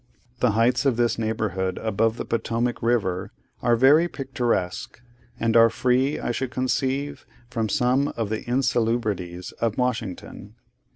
The heights of this neighbourhood, above the Potomac River, are very picturesque: and are free, I should conceive, from some of the insalubrities of Washington.